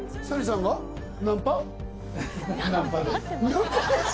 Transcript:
「ナンパです」